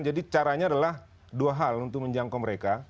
jadi caranya adalah dua hal untuk menjangkau mereka